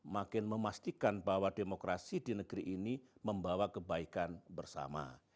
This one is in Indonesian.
makin memastikan bahwa demokrasi di negeri ini membawa kebaikan bersama